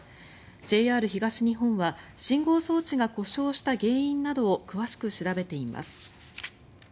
ＪＲ東日本は信号装置が故障した原因などを詳しく調べています。